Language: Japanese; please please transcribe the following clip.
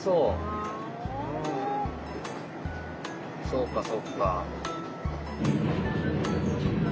そうかそうか。